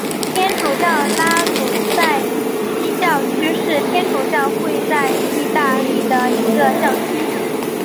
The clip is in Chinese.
天主教拉努塞伊教区是天主教会在义大利的一个教区。